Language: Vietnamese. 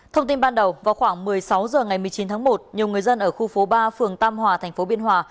thông tin ban đầu vào khoảng một mươi sáu h ngày một mươi chín tháng một nhiều người dân ở khu phố ba phường tam hòa thành phố biên hòa